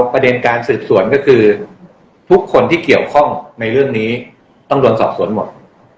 ประเด็นการสืบสวนก็คือทุกคนที่เกี่ยวข้องในเรื่องนี้ต้องโดนสอบสวนหมด